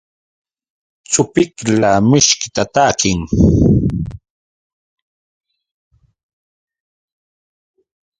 Chupiqla mishkita takin.